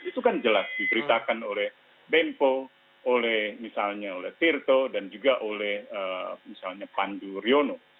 itu kan jelas diberitakan oleh bempo oleh misalnya oleh tirto dan juga oleh misalnya pandu riono